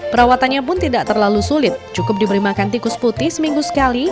perawatannya pun tidak terlalu sulit cukup diberi makan tikus putih seminggu sekali